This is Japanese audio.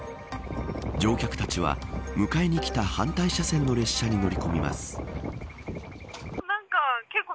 乗客たちは向かいに来た反対車線の列車に乗り込みます。